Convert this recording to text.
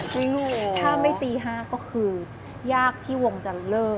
ถ้าไม่ตี๕ก็คือยากที่วงจะเลิก